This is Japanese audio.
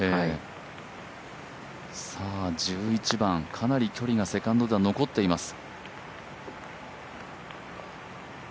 １１番、かなり距離がセカンドでは残っています。